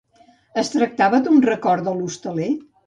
Es tractava d'un record de l'hostaler?